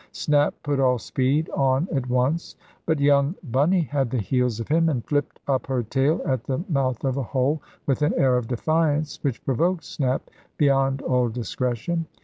Snap put all speed on at once, but young bunny had the heels of him, and flipped up her tail at the mouth of a hole, with an air of defiance which provoked Snap beyond all discretion.